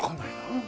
うん。